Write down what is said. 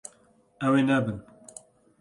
Ew ê nebin.